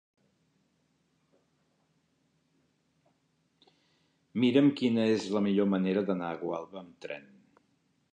Mira'm quina és la millor manera d'anar a Gualba amb tren.